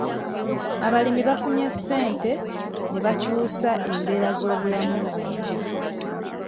Abalimi bafunye ssente ne bakyusa embeera z'obulamu bwabwe.